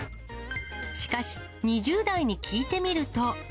しかし、２０代に聞いてみると。